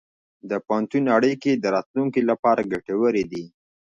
د پوهنتون اړیکې د راتلونکي لپاره ګټورې دي.